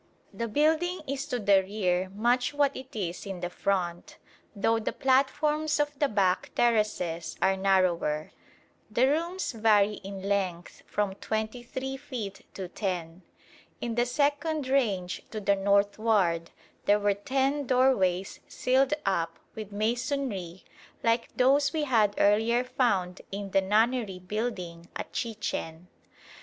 The building is to the rear much what it is in the front, though the platforms of the back terraces are narrower. The rooms vary in length from 23 feet to 10. In the second range to the northward there were ten doorways sealed up with masonry like those we had earlier found in the Nunnery building at Chichen.